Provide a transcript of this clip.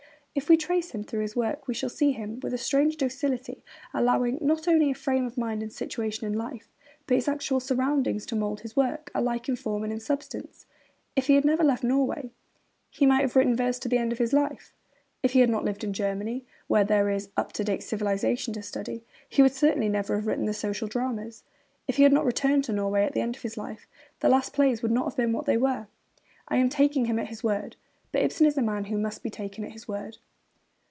If we trace him through his work we shall see him, with a strange docility, allowing not only 'frame of mind and situation in life,' but his actual surroundings, to mould his work, alike in form and in substance. If he had never left Norway he might have written verse to the end of his life; if he had not lived in Germany, where there is 'up to date civilisation to study,' he would certainly never have written the social dramas; if he had not returned to Norway at the end of his life, the last plays would not have been what they were. I am taking him at his word; but Ibsen is a man who must be taken at his word.